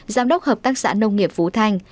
giám đốc hợp tác xã nông nghiệp phủ thanh